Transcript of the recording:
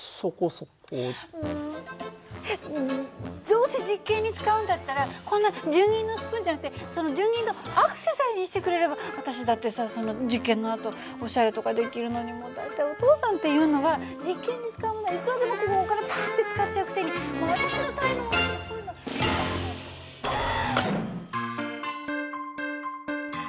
どどうせ実験に使うんだったらこんな純銀のスプーンじゃなくてその純銀のアクセサリーにしてくれれば私だってさその実験のあとおしゃれとかできるのにもう大体お父さんっていうのは実験に使うものはいくらでもこうお金パッて使っちゃうくせに私のためのものとかそういうのは。